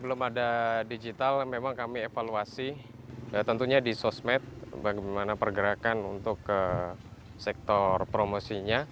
pertama kali sebelum ada digital memang kami evaluasi tentunya di sosmed bagaimana pergerakan untuk ke sektor promosinya